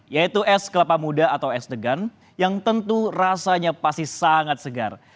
yaitu es kelapa muda atau es degan yang tentu rasanya pasti sangat segar